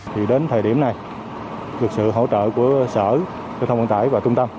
thì đến thời điểm này được sự hỗ trợ của sở giao thông vận tải và trung tâm